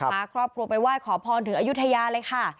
พาครอบครัวไปไหว้ขอพรถึงอายุทยาเลยค่ะ